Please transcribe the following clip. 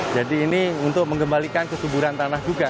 jadi ini untuk mengembalikan kesuburan tanah juga